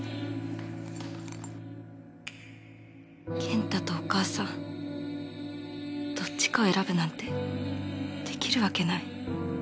健太とお母さんどっちかを選ぶなんてできるわけない